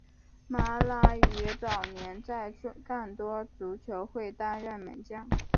摩拉于早年在干多足球会担任门将。